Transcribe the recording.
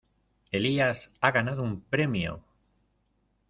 ¡Elías ha ganado un premio!